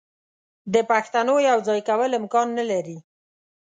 د پښتونو یو ځای کول امکان نه لري.